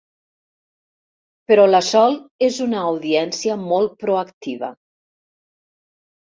Però la Sol és una audiència molt proactiva.